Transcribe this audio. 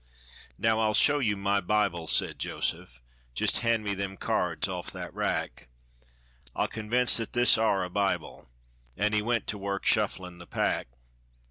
"Now, I'll show you my bible," said Joseph, "Jist hand me them cards off that rack; I'll convince that this are a bible," An' he went to work shufflin' the pack.